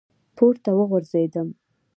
پـورتـه وغورځـېدم ،